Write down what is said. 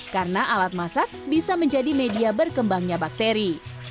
karena alat masak bisa menjadi media berkembangnya bakteri